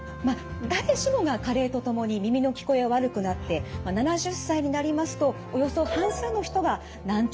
誰しもが加齢とともに耳の聞こえは悪くなって７０歳になりますとおよそ半数の人が難聴になるとされています。